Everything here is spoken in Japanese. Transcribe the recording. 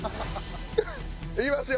いきますよ。